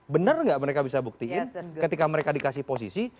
benar nggak mereka bisa buktiin ketika mereka dikasih posisi